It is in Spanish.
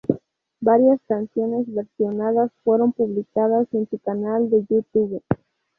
Varias canciones versionadas fueron publicadas en su canal de YouTube.